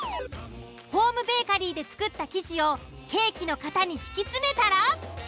ホームベーカリーで作った生地をケーキの型に敷き詰めたら。